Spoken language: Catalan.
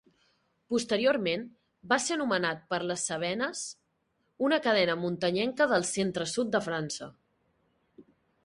Posteriorment, va ser anomenat per les Cevenes, una cadena muntanyenca del centre-sud de França.